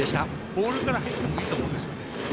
ボールから入ってもいいと思います。